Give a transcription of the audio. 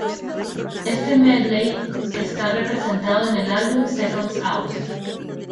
Este medley está representado en el álbum "Seconds Out".